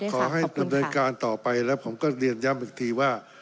ขอให้ดำเนินการต่อไปแล้วผมก็เรียนย้ำอีกทีว่า